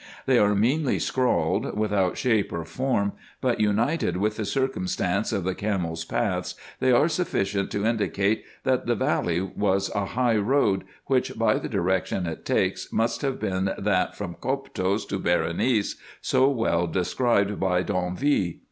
They are meanly scrawled, without shape or form, but, united with the circumstance of the camels' paths, they are sufficient to indicate, that the valley was a high road, which, by the direction it takes, must have been that from Coptos to Berenice, so well described by D'Anville.